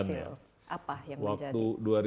tidak jalan ya waktu dua ribu delapan belas